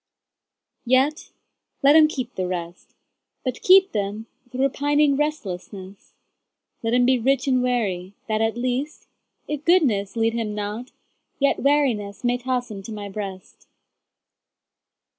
Yet let him keep the rest, But keep them with repining restlessness; Let him be rich and weary, that at least, If goodness lead him not, yet wearinessMay toss him to My breast.